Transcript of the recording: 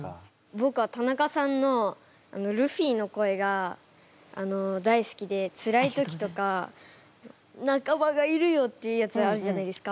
ぼくは田中さんのルフィの声が大好きでつらい時とか「仲間がいるよ！」っていうやつあるじゃないですか。